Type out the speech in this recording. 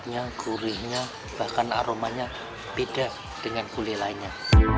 rasanya gurihnya bahkan aromanya beda dengan gulai lainnya